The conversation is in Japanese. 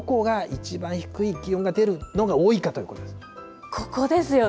どこがいちばん低い気温が出るのが多いかということです。